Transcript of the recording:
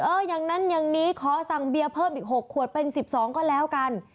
อย่างนั้นอย่างนี้ขอสั่งเบียร์เพิ่มอีก๖ขวดเป็น๑๒ก็แล้วกัน